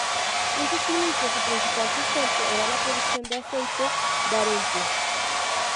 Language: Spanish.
En sus inicios, su principal sustento era la producción de aceite de arenque.